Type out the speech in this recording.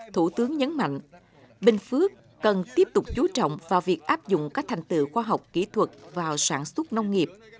thủ tướng nhấn mạnh bình phước cần tiếp tục chú trọng vào việc áp dụng các thành tựu khoa học kỹ thuật vào sản xuất nông nghiệp